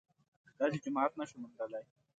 داسې جماعت نه شو موندلای